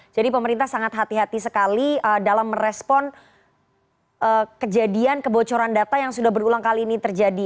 jadi pemerintah sangat hati hati sekali dalam merespon kejadian kebocoran data yang sudah berulang kali ini terjadi